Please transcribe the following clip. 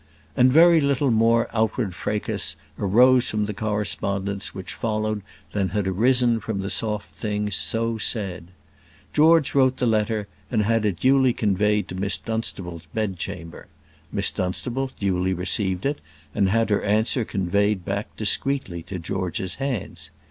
And very little more outward fracas arose from the correspondence which followed than had arisen from the soft things so said. George wrote the letter, and had it duly conveyed to Miss Dunstable's bed chamber. Miss Dunstable duly received it, and had her answer conveyed back discreetly to George's hands.